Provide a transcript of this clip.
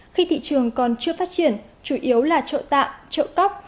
khi thị trường còn chưa phát triển chủ yếu là trợ tạng trợ tóc